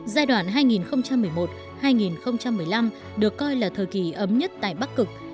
giai đoạn hai nghìn một mươi một hai nghìn một mươi năm được coi là thời kỳ ấm nhất tại bắc cực